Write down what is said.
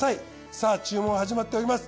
さぁ注文は始まっております。